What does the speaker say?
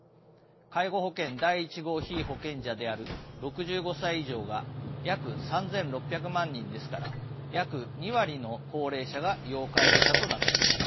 介護保険第１号被保険者である６５歳以上が約３，６００万人ですから約２割の高齢者が要介護者となっています。